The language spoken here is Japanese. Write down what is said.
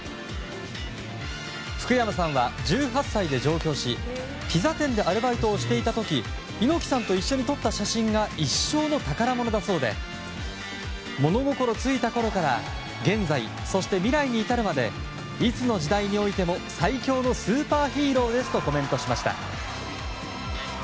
福山さんは１８歳で上京しピザ店でアルバイトをしていた時猪木さんと一緒に撮った写真が一生の宝物だそうで物心ついたころから現在そして未来に至るまでいつの時代においても最強のスーパーヒーローですとコメントしました。